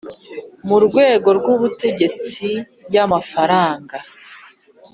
mu rwego rw ubutegetsi y amafaranga